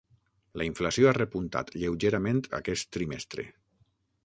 La inflació ha repuntat lleugerament aquest trimestre.